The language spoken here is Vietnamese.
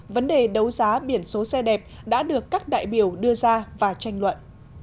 vấn đề đấu giá biển số xe đẹp đã được các đại biểu đưa ra và tranh luận